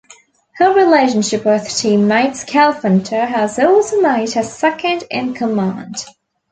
Her relationship with teammate Scalphunter has also made her second-in-command.